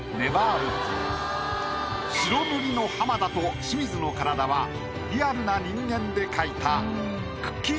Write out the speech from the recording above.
白塗りの浜田と清水の体はリアルな人間で描いたくっきー！